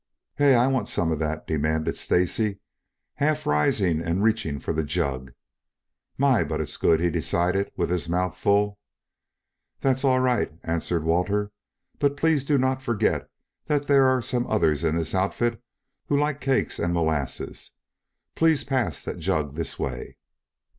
"Here, I want some of that," demanded Stacy, half rising and reaching for the jug. "My, but it's good!" he decided with his mouth full. "That's all right," answered Walter. "But please do not forget that there are some others in this outfit who like cakes and molasses. Please pass that jug this way."